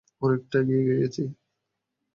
অনেকটা এগিয়ে গিয়েছি।